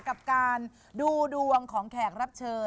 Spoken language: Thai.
กับการดูดวงของแขกรับเชิญ